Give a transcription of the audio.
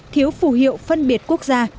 thiếu phù hiệu phân biệt quốc gia